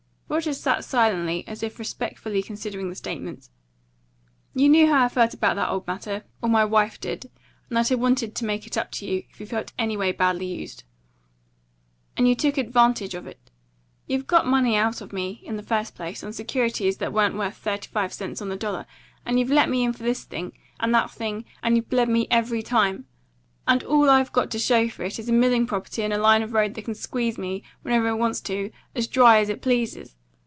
Rogers sat listening, as if respectfully considering the statements. "You knew how I felt about that old matter or my wife did; and that I wanted to make it up to you, if you felt anyway badly used. And you took advantage of it. You've got money out of me, in the first place, on securities that wa'n't worth thirty five cents on the dollar, and you've let me in for this thing, and that thing, and you've bled me every time. And all I've got to show for it is a milling property on a line of road that can squeeze me, whenever it wants to, as dry as it pleases.